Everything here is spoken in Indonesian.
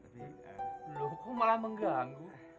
lo kok malah mengganggu